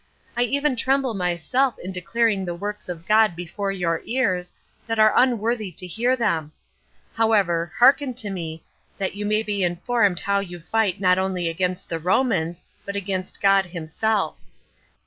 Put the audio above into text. I even tremble myself in declaring the works of God before your ears, that are unworthy to hear them; however, hearken to me, that you may be informed how you fight not only against the Romans, but against God himself.